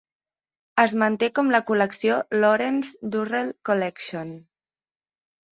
Es manté com la col·lecció Lawrence Durrell Collection.